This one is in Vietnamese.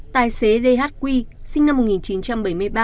tài xế d quy sinh năm một nghìn chín trăm bảy mươi ba